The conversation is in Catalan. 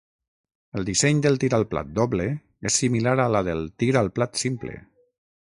El disseny del tir al plat doble és similar a la del tir al plat simple.